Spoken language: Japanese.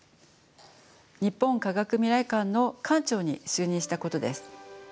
日本科学未来館の館長に就任したことです。